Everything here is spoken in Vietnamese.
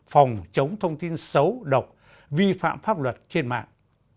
phòng chống thông tin xấu độc vi phạm pháp luật trên mạng